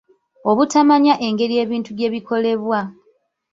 Obutamanya engeri ebintu gye bikolebwa.